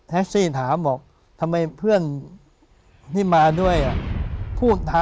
ซี่ถามบอกทำไมเพื่อนที่มาด้วยอ่ะ